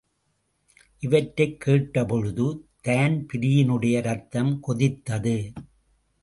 இவற்றை கேட்ட பொழுது தான்பிரீனுடைய ரத்தம் கொதித்தது.